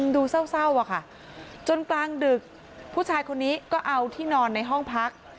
ดูเศร้าอะค่ะจนกลางดึกผู้ชายคนนี้ก็เอาที่นอนในห้องพัก